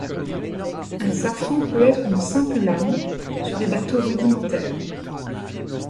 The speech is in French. Un safran peut être une simple lame, sur des bateaux rudimentaires.